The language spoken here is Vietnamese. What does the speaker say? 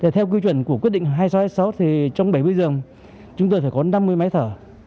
theo quy chuẩn của quyết định hai nghìn sáu trăm hai mươi sáu trong bảy mươi giờ chúng tôi phải có năm mươi máy thở